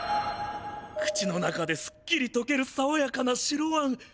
口の中ですっきりとけるさわやかな白あん！